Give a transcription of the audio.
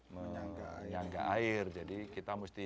menyangga air jadi kita mesti